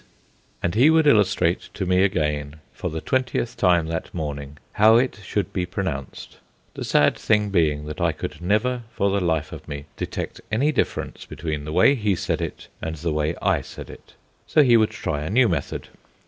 And he would illustrate to me again, for the twentieth time that morning, how it should be pronounced; the sad thing being that I could never for the life of me detect any difference between the way he said it and the way I said it. So he would try a new method.